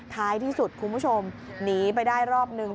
ท้ายที่สุดคุณผู้ชมหนีไปได้รอบนึง